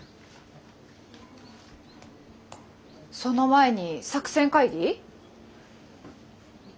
その前に作戦会議？